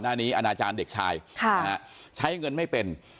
หน้านี้อนาจารย์เด็กชายใช้เงินไม่เป็น